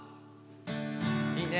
いいね。